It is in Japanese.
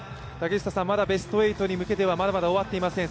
まだベスト８に向けてはまだまだ終わっていません。